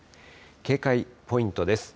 警戒ポイントです。